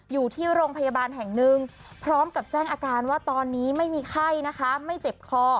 อยู่ที่โรงพยาบาลแห่งหนึ่งพร้อมกับแจ้งอาการว่าตอนนี้ไม่มีไข้นะคะไม่เจ็บคอ